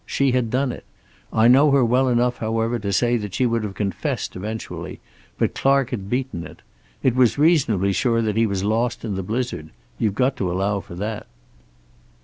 She had done it. I know her well enough, however, to say that she would have confessed, eventually, but Clark had beaten it. It was reasonably sure that he was lost in the blizzard. You've got to allow for that."